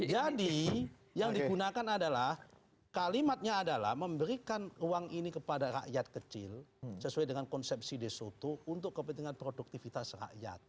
jadi yang digunakan adalah kalimatnya adalah memberikan uang ini kepada rakyat kecil sesuai dengan konsepsi de soto untuk kepentingan produktivitas rakyat